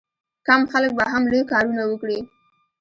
کم خلک به هم لوی کارونه وکړي.